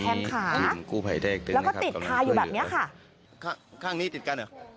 ขาของกู้ภัยได้แล้วก็ติดคาอยู่แบบเนี้ยค่ะข้างข้างนี้ติดกันเหรอ